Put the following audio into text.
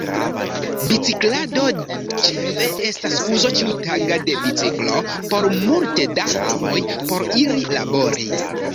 Biciklado ĉefe estas uzo ĉiutaga de biciklo por multe da homoj, por iri labori.